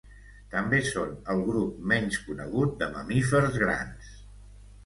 També són el grup menys conegut de mamífers grans.